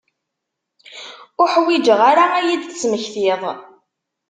Ur ḥwiǧeɣ ara ad iyi-d-tesmektiḍ.